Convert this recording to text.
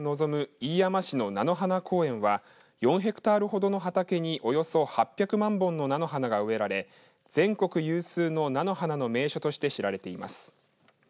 飯山市の菜の花公園は４ヘクタールほどの畑におよそ８００万本の菜の花が植えられ全国有数の菜の花の名所として知られています。